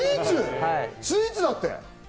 スイーツだって！